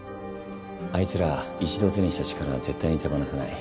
あいつら１度手にした力は絶対に手放さない。